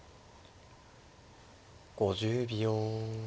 ５０秒。